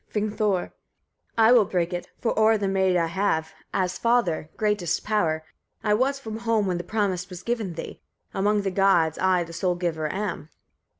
Vingthor. 4. I will break it; for o'er the maid I have, as father, greatest power. I was from home when the promise was given thee. Among the gods I the sole giver am.